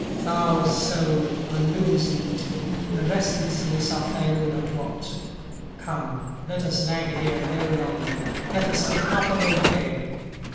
Thou, soul, unloosen'd the restlessness after I know not what; Come, let us lag here no longer, let us be up and away!